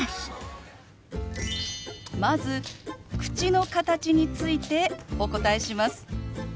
まず口の形についてお答えします。